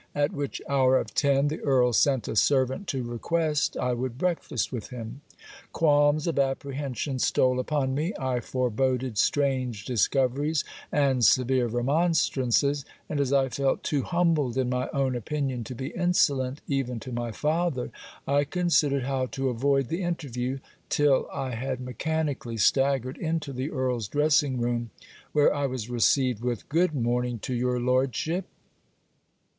At which hour of ten, the Earl sent a servant to request I would breakfast with him. Qualms of apprehension stole upon me. I foreboded strange discoveries and severe remonstrances; and, as I felt too humbled in my own opinion to be insolent even to my father, I considered how to avoid the interview, till I had mechanically staggered into the Earl's dressing room, where I was received with 'good morning to your lordship.'